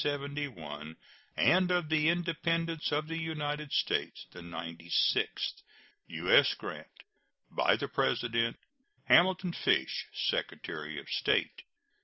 1872, and of the Independence of the United States of America the ninety sixth. U.S. GRANT. By the President: HAMILTON FISH, Secretary of State.